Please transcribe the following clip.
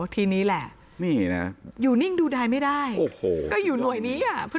ทีนี้แหละนี่นะอยู่นิ่งดูดายไม่ได้โอ้โหก็อยู่หน่วยนี้อ่ะ